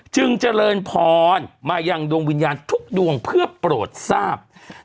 จึงเจริญพรมายังดวงวิญญาณทุกดวงเพื่อโปรดทราบ